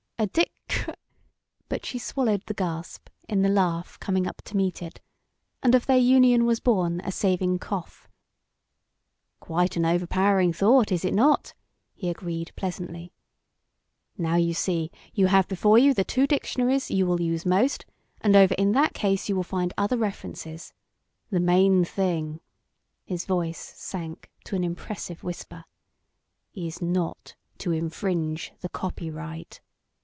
"A dic ?" but she swallowed the gasp in the laugh coming up to meet it, and of their union was born a saving cough. "Quite an overpowering thought, is it not?" he agreed pleasantly. "Now you see you have before you the two dictionaries you will use most, and over in that case you will find other references. The main thing" his voice sank to an impressive whisper "is not to infringe the copyright.